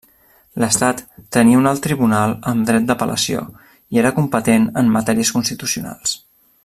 L'estat tenia un alt tribunal amb dret d'apel·lació, i era competent en matèries constitucionals.